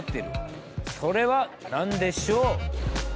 それは何でしょう？